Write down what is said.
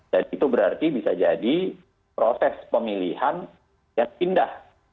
jadi itu berarti bisa jadi proses pemilihan yang indah